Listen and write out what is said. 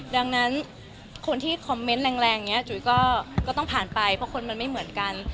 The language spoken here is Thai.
ดังนั้นคนที่คอมเมนต์แรงอย่างนี้จุ๋ยก็ต้องผ่านไปเพราะคนมันไม่เหมือนกัน